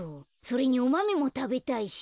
それにおマメもたべたいし。